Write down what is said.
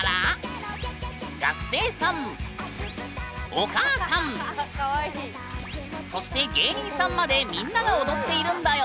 この曲のダンスはそして芸人さんまでみんなが踊っているんだよ！